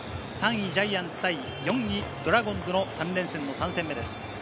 ３位ジャイアンツ対４位ドラゴンズの３連戦の３戦目です。